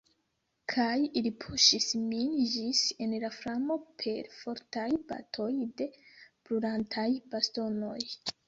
Kaj ili puŝis min ĝis en la flamo per fortaj batoj de brulantaj bastonoj.